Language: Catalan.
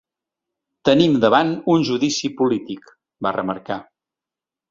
Tenim davant un judici polític, va remarcar.